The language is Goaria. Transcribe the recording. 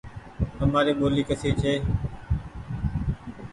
تمآري ٻولي ڪسي ڇي ۔